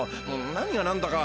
何が何だか。